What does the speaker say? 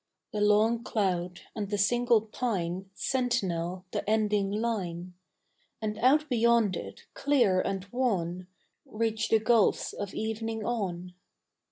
The long cloud and the single pine Sentinel the ending line, And out beyond it, clear and wan, Reach the gulfs of evening on.